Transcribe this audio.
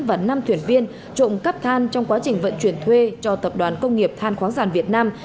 và năm thuyền viên trộm cắp than trong quá trình vận chuyển thuê cho tập đoàn công nghiệp than khoáng sản việt nam